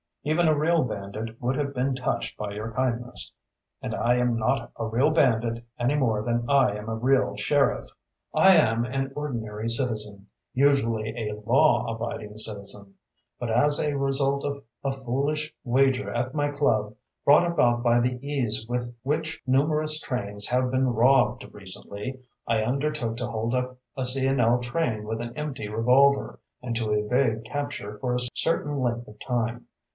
Even a real bandit would have been touched by your kindness. And I am not a real bandit any more than I am a real sheriff. I am, an ordinary citizen, usually a law abiding citizen. But as a result of a foolish wager at my club, brought about by the ease with which numerous trains have been robbed recently, I undertook to hold up a C. & L. train with an empty revolver, and to evade capture for a certain length of time.